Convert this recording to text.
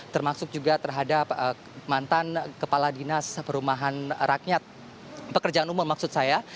termasuk juga terhadap mantan kepala dinas perumahan rakyat pekerjaan umum maksud saya